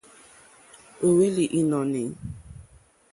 Ó hwélì ìnɔ̀ní.